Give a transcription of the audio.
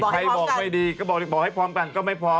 ใครบอกไม่ดีก็บอกให้พร้อมกันก็ไม่พอ